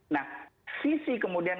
nah sisi kemudian